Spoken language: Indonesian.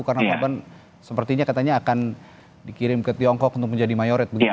karena sepertinya katanya akan dikirim ke tiongkok untuk menjadi mayoret begitu ya